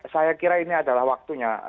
saya kira ini adalah waktunya